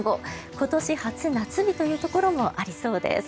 今年初夏日というところもありそうです。